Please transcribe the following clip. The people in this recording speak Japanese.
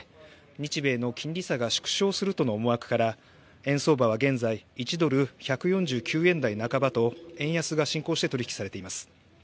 日米の金利差が縮小するとの思惑から円相場は現在１ドル＝１４９円台半ばと円安が進行して取引されています。